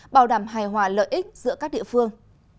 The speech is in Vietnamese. bảo đảm hài hòa lợi ích giữa các địa phương